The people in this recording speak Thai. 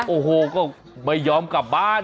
โอ้โหก็ไม่ยอมกลับบ้าน